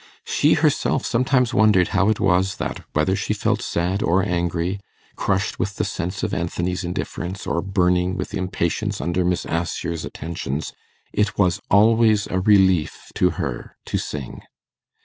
She herself sometimes wondered how it was that, whether she felt sad or angry, crushed with the sense of Anthony's indifference, or burning with impatience under Miss Assher's attentions, it was always a relief to her to sing.